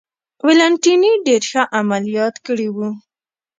ولانتیني ډېر ښه عملیات کړي و.